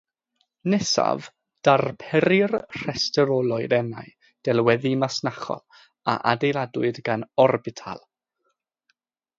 Nesaf darperir rhestr o loerennau delweddu masnachol a adeiladwyd gan Orbital.